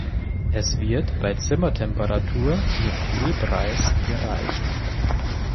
Es wird bei Zimmertemperatur mit Klebreis gereicht.